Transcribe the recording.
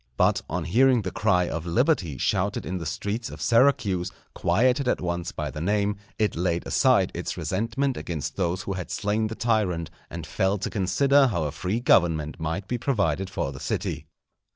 But on hearing the cry of liberty shouted in the streets of Syracuse, quieted at once by the name, it laid aside its resentment against those who had slain the tyrant, and fell to consider how a free government might be provided for the city.